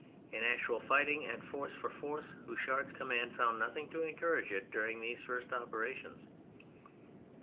In actual fighting and force for force, Houchard's com mand found nothing to encourage it during these first operations.